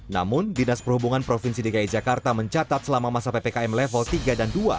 namun dinas perhubungan provinsi dki jakarta mencatat selama masa ppkm level tiga dan dua